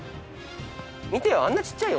見てよ、あんなちっちゃいよ。